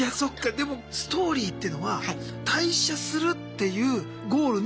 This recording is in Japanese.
でもストーリーってのは退社するっていうゴールに。